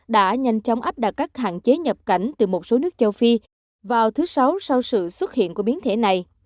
đã nhanh chóng áp đặt các hạn chế nhập cảnh từ một số nước châu phi vào thứ sáu sau sự xuất hiện của biến thể này